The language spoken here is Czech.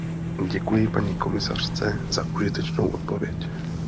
Děkuji paní komisařce za užitečnou odpověď.